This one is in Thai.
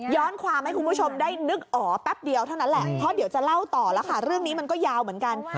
ความให้คุณผู้ชมได้นึกอ๋อแป๊บเดียวเท่านั้นแหละเพราะเดี๋ยวจะเล่าต่อแล้วค่ะเรื่องนี้มันก็ยาวเหมือนกัน